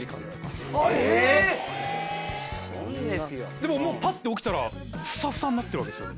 でももうぱって起きたらふさふさになってるわけですよね。